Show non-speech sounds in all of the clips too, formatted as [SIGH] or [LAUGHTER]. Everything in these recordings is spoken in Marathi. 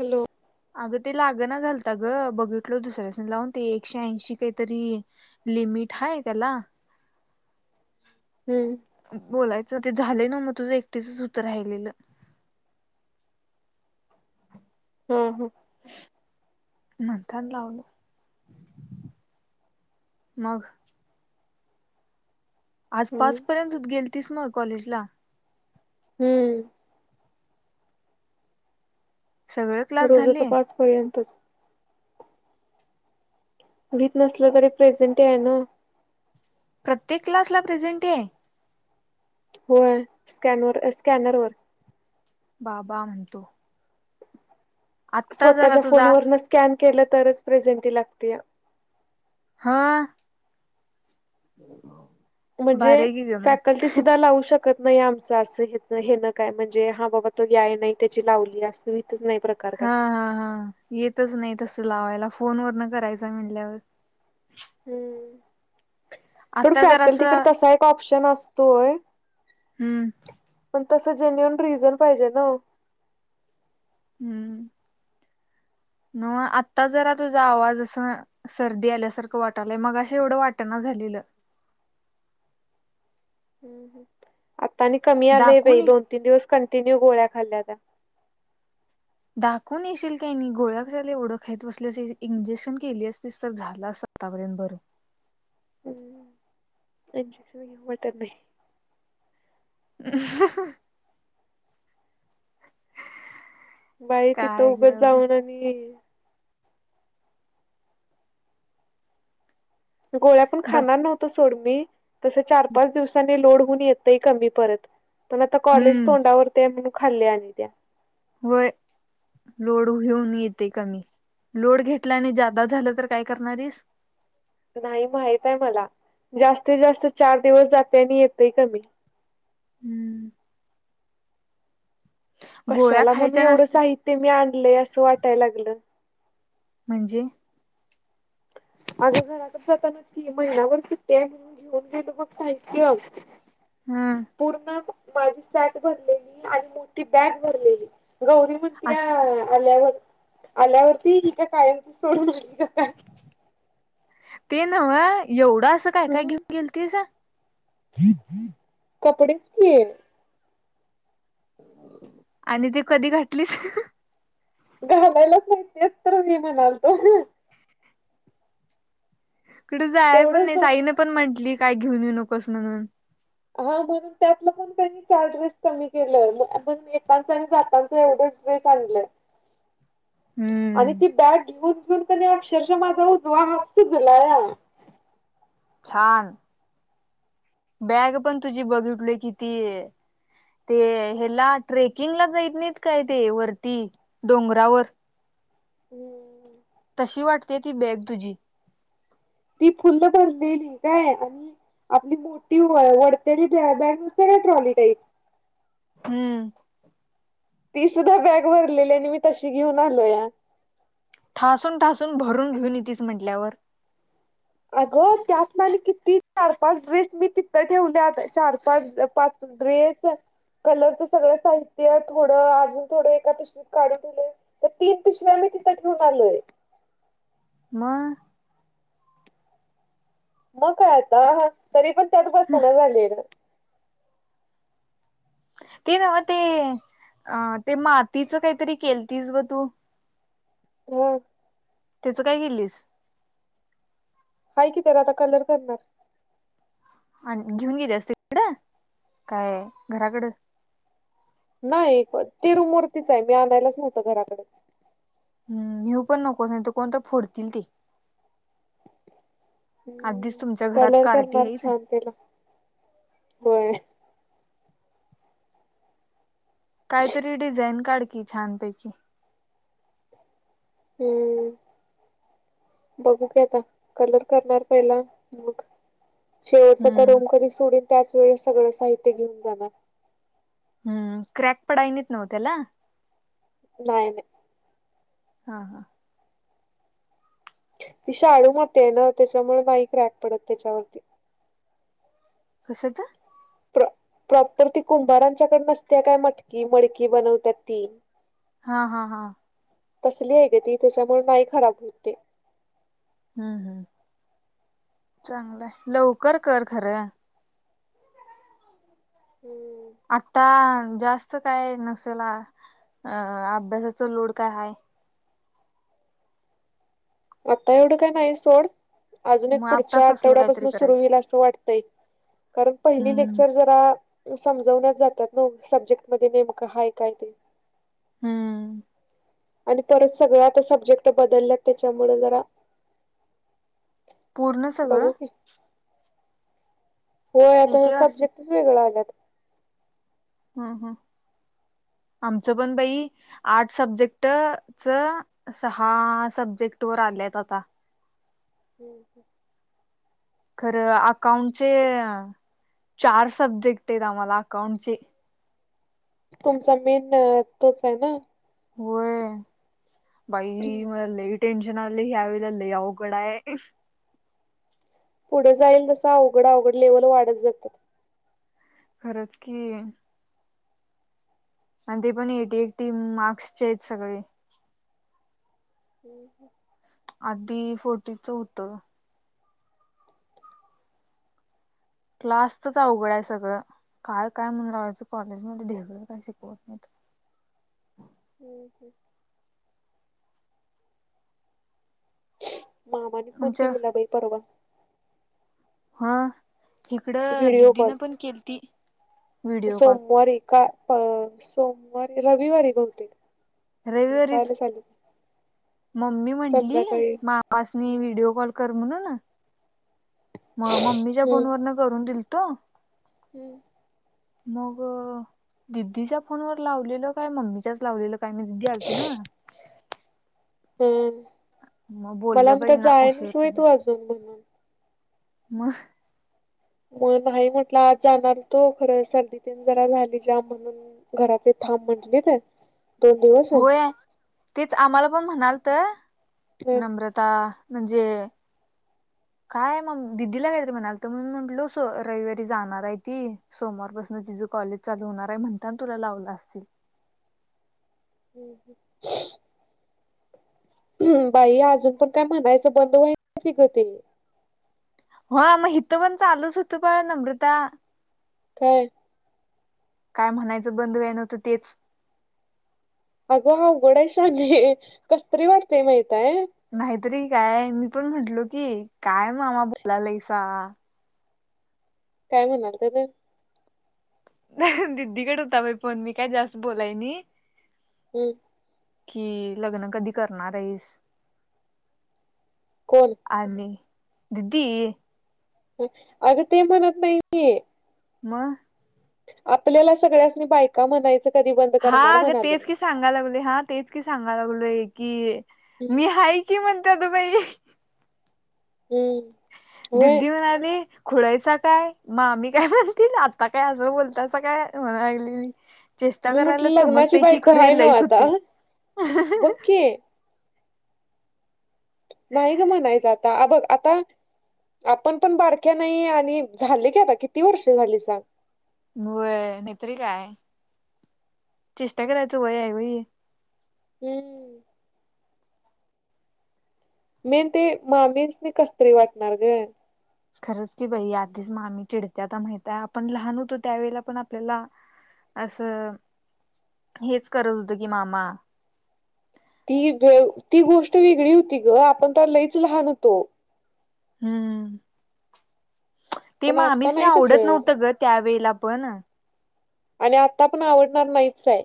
हॅलो. अगं ते लागेना झालत ग बघितलो दुसऱ्यास लावून ते एकशे ऐंशी काहीतरी. लिमिट आहे त्याला. हम्म. बोलायचं ते झाले ना मग तुझं एकटीचच सुत राहिलेलं. हम् हम्. म्हणथान लावल. मग. आज हम्म पाच पर्यंत होत गेल तस मग कॉलेज ला. हम्म. सगळे क्लास रोज झाले तर पाचपर्यंतच. विथ नसलं तरी प्रेझेंट आहे ना. प्रत्येक क्लास ला प्रेझेंट आहे. होय स्कॅनर स्कॅनरवर. बाबा म्हणतो. आत्ता जरा स्वतःच्या फोन तुझा वन स्कॅन केलं तरच प्रेझेंट लागते. हा. हो. म्हणजे फॅक्टी. सुद्धा लावू शकत नाही आमचं असं हेच हे ना काय म्हणजे हा बाबा तो याय नाही त्याची लावली अस. नाही. प्रकार काय हा हा हा येतच नाही तसं लावायला फोन वर न करायचा म्हणटल्यावर. हम्म ड आता फॅकल्टीकडे जरासं तसा एक ऑप्शन असतोय. हम्म. तस जेन्युअन रिझन पाहिजे ना? हम्म. मग आत्ता जरा तुझा आवाज अस- सर्दी आल्यासारखं वाटायल. मघाशी एवढं वाट ना झालेलं. हं. हं. आता आणि कमी आलंय दाखवून बाई. ये दोन तीन दिवस कंटिन्यू गोळ्या खाल्ल्या त्या. दाखवून येशील काय नाही. गोळ्या कशाले एवढं खाइत बसलंस. एक इंजेक्शन केली असतीस तर झाल असत. आत्ता पर्यंत बरं. हम्म इंजेक्शन [UNINTELLIGIBLE] हम्. बाई तिथं काय उगाच गं बाई जाऊन आली. गोळ्या पण डॉ खाणार नव्हतो सोड मी. तस चार पाच दिवसांनी लोड होऊन येत- [UNINTELLIGIBLE] पण आता कॉलेज हम्म तोंडावरती आहे म्हणून खाल्ल्याय मी त्या. व्हय. लोड घेऊन येते का मी. लोड घेतला आणि जादा झालं तर काय करणारीस? नाही माहित आहे मला. जास्तीत जास्त चार दिवस जाते आणि येते कमी. हम्म. गोळ्या कशाला म्हणु खायच्या एवढं नसत्या साहित्य मी आणलय असं वाटायला लागलं. म्हणजे? माझ्या घराकड जातानाच की महिनाभर सुट्टी आहे. घेऊन गेल मग साहित्य. हम्म. पूर्ण माझी सॅक भरलेली आणि मोठी बॅग भरलेली. गौरी- म्हणतीया अस आल्यावर. आल्यावरती ही का कायमची सोडून आली का? ते नव्ह. एवढं असं काय काय हम्म. घेऊन गेलतीस? कपडेच [UNINTELLIGIBLE] आणि ते कधी घातली? घालायलाच नाहीच तर मी म्हणाल तो. इकडं जाय पण तेवढंच नाही. दोन आईनं पण म्हटली काय घेऊन येऊ नकोस म्हणून. हो म्हणून त्यातलं पण त्यांनी चार ड्रेस कमी केलंय. मग अजून येतांचे आणि जातांचं एवढं- हो सांगितलं. ह आणि ती बॅग घेऊन घेऊन पण अक्षरशः माझा उजवा हात सुजलाय. छान. बॅग पण तुझी बघितली कितीए. ते ह्याला ट्रेकिंगला जायत नाहीत काय? ते वरती डोंगरावर. हम्म. तशी वाटते ती बॅग तुझी. ती फुल्ल भरलेली काय? आणि- आपली मोठी वढतेरी बॅग नसते ना ट्रॉली टाईप. हम्म. ती सुद्धा बॅग भरलेली आणि मी तशी घेऊन आलेया. ठासून ठासून भरून घेऊन येतीस म्हणल्यावर. अगं! त्यात माझे किती चार पाच ड्रेस मी तितं ठेवल्या होत्या. चार पाच पाच- ड्रेस. कलरच सगळं साहित्य थोडं अजून थोडं एका पिशवीत काढून ठेवल - त्या तीन पिशव्या मी तिथं ठेवून आलेय. मग? मग काय आता? तरी पण त्यात बसना झाले. ते ना ते, अ- ते मातीचं काहीतरी केलतीस ग तू. हम्. त्याचं काय केलीस? आहे की. त्याला आता कलर करणार. आणि घेऊन गेलियास तिकडं. काय घराकडं. नाही तिरुमूर्तीच आहे मी आणायलाच नव्हतं घराकडे हम् हिऊ पण नको नाही तर कोण तर फोडतील ते आधीच हम् तुमच्या घरात कलर कार्टी करणार आहे ते छान तला बय कायतरी डिझाईन काढ की छानपैकी हम्म बघू घ आता कलर करणार पहिला मग शेवटचा त्या हम्म रोम कधी सोडन त्याच वेळेस सगळं साहित्य घेऊन जाणार हम्म क्रॅक पडानीच नव्हत्याला नाहीय नाही हां हां ती शाळू मते आहे ना त्याच्यामुळे बाई क्रॅक पडत त्याच्यावरती होशच प्र प्रॉपर ती कुंभारांच्याकड नसते काय मटकी मडकी बनवत तीन हा हा हा तसली आहे ग ती त्याच्यामुळे नाही खराब होतते हम्म हम्म चांगलंय लवकर कर खरं हम्म आता जास्त काय नसेला अ अभ्यासाच लोड काय आहेय आता एवढं काय नाही सोड अजून एक मग पुढच्या आत्ताच असलं काहीतरी आठवड्यापासून सुरू करायचं होईल असं वाटतंय कारण पहिली हम्म लेक्चर जरा समजवण्यात जातात न सब्जेक्ट मध्ये नेमकं हय काय ते हम्म आणि परत सगळं आता सब्जेक्ट बदलल्यात त्याच्यामुळे जरा पूर्ण सगळं बघू की होय एक आता एक अस सब्जेक्टच वेगळा आल्यात हम्म हम् आमचं पण बाई आठ सब्जेक्ट च सहा सब्जेक्ट वर आले आहेत आता ठीक खरं अकाउंटचे चार सब्जेक्ट आहेत आम्हाला अकाउंट चे तुमचा मेन तोच आहे ना होय बाई मला लेट टेन्शन आले ह्यावेळेलं अवघड आहे पुढे जाईल तसं अवघड अवघड लेव्हल वाढत जातात खरंच की आणि ते पण एटी एकटी मार्क्स चे आहेत सगळे ह आधी फोटीच होतं क्लास तरच अवघड आहे सगळं काय काय म्हणून रावायचं कॉलेजमध्येध्ये ढेगळं काय शिकवत नाहीत ठी मामाने फोन आमच्या केलेला बाई परवा हा इकडं व्हिडिओ कॉल दिदीनं पण केली ती व्हिडिओ कॉल वर का अ सोमवारी रविवारी बुते रविवारीच मम्मी म्हंटली संध्याकाळी मापसनी हम्म व्हिडिओ कॉल करमु ना ना म मम्मीच्या फोन वन करून दिल तो हम्म मग दिदीच्या फोनवर लावलेल काय मम्मीच्याच लावलेल काय मी दिदी आलती ना हम्म मग मला बोललं बाई म्हणतात ना जाय उशर नाहीस प [UNINTELLIGIBLE] म म नाही म्हटलं आज जाणार तो खरं सर्दी तेन जरा झाली जा म्हणून घरात ते थांब म्हटले काय? होय तेच आम्हाला पण म्हणालता हम्म नम्रता म्हणजे काय मम दिदीला काहीतरी म्हणालतो म्हणून म्हटलो सो रविवारी जाणार आहे ती. सोमवारपासून तिझं कॉलेज चालू होणार आहे म्हणताना तुला लावलं असतील. [INAUDIBLE] बाई अजून पण काय म्हणायचं बंद [UNINTELLIGIBLE] ते. हा मग इथं पण चालूच होतो प नम्रता काय काय म्हणायचं बंधू आहे नव्हतं तेच. अगं अवघड आहे शानी कसं तरी वाटतेय माहित आहे. नाहीतरी काय मी पण म्हटलो की काय मामा बोलालायसा. काय म्हणालतं ते? दिदीकडे होता बाई फोन मी काय जास्त बोलाय नी. हम्म. कि लग्न कधी करणार आहेस? कोण आणि दिदी. अगं ते म्हणत नाही आहे. म आपल्याला सगळ्यासनी बायका म्हणायचं कधी बंद करणार हा गं तेच म्हणालोय. की सांगाय लागलो हा तेच की सांगाय लागलोय की हम्म मी हाय की म्हणतं गं बाई हम्म. व्हय दिदी म्हणाली खुळायचा काय म आम्ही काय बोलतील आता काय असं बोलताच काय म्हणायली मी. चेष्टा मी म्हटलं करायलाच लग्नाची समजते की बायको खरे हाय नव्ह लईच आता होते. बघ की नाही गं म्हणायचा आता आ बघ आता आपण पण बारक्या नाही आणि झाले की आता किती वर्ष झाली सांग? होय नाहीतरी काय चेष्टा करायचा वय आहे वई. हम्म. मेन ते मामीच नी कसतरी वाटणार गं? खरंच की बाई आधीच मामी चिडत्या आता माहित आहे आपण लहान होतो त्यावेेळेला पण आपल्याला असं हेच करत होतं की मामा तीे गो ती गोष्ट वेगळी होती गं आपण तर लईच लहान होतो. हम्म ते पण आता मामीचं ने नाही तस आवडत नव्हतं आणि गं त्या वेळेला पण. आणि आत्ता पण आवडणार नाहीच आहे.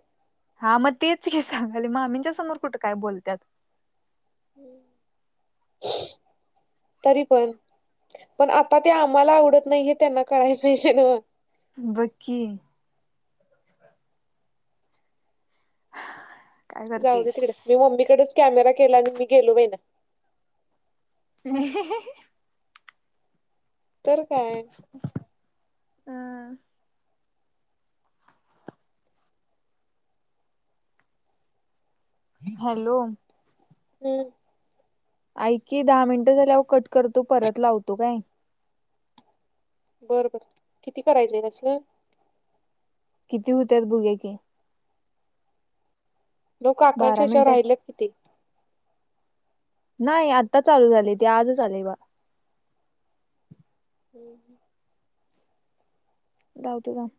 हा म तेच की सांगयली मामींच्या समोर कुठे काय बोलत्यात? [INAUDIBLE] तरी पण पण आता ते आम्हाला आवडत नाही हे त्यांना कळायला पाहिजे ना. बघ की. काय जाऊ दे करतेस तिकडे मी मम्मीकडेच कॅमेरा केला आणि मी गेलो बाईना. ह तर काय आं हॅलो हम्म. ऐ की दहा मिनटं झाल्या कट करतो परत लावतो काय? बरं बरं किती करायचं आहे असले. किती होत्यात भुगया की? लोक आकांक्षा बारा याच्यावर मिनिटात राहिल किती? नाही आत्ता चालू झाले ते आजच आले बा- हम्म लावतो थांब?